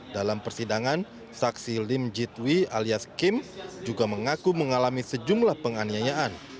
dalam persidangan saksi lim jitwi alias kim juga mengaku mengalami sejumlah penganiayaan